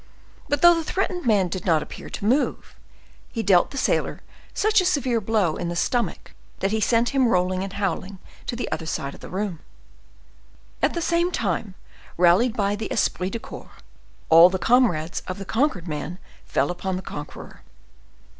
But though the threatened man did not appear to move, he dealt the sailor such a severe blow in the stomach that he sent him rolling and howling to the other side of the room. At the same instant, rallied by the espirit de corps, all the comrades of the conquered man fell upon the conqueror.